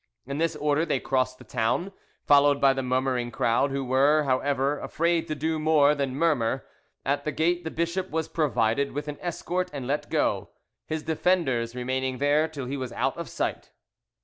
In this order they crossed the town, followed by the murmuring crowd, who were, however, afraid to do more than murmur; at the gate the bishop was provided with an escort and let go, his defenders remaining there till he was out of sight.